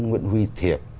nguyễn huy thiệp